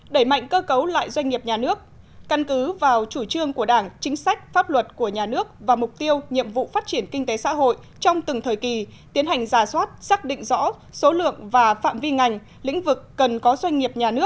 đẩy mạnh cơ cấu lại doanh nghiệp nhà nước căn cứ vào chủ trương của đảng chính sách pháp luật của nhà nước và mục tiêu nhiệm vụ phát triển kinh tế xã hội trong từng thời kỳ tiến hành giả soát xác định rõ số lượng và phạm vi ngành lĩnh vực cần có doanh nghiệp nhà nước